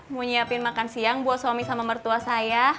nyiapin makan siang buat suami sama mertua saya